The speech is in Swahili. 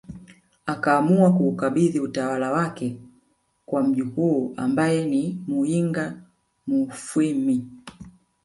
Akaamua kuukabidhi utawala wake kwa mjukuu ambaye ni Muyinga Mufwimi